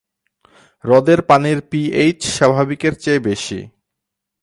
হ্রদের পানির পিএইচ স্বাভাবিকের চেয়ে বেশি।